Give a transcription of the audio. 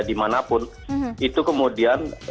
dimanapun itu kemudian